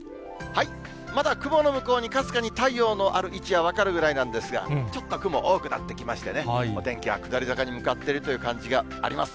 まだ雲の向こうにかすかに太陽のある位置が分かるぐらいなんですが、ちょっと雲、多くなってきましてね、お天気は下り坂に向かっているという感じがあります。